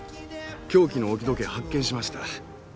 凶器の置き時計発見しました。